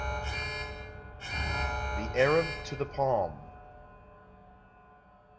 THE ARAB TO Till: PALM.